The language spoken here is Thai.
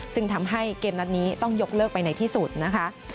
จึงทำให้เกมนัดนี้ต้องยกเลิกไปในที่สุดนะคะ